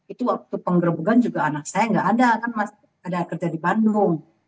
itu waktu penggerbegan juga anak saya nggak ada kan mas ada kerja di bandung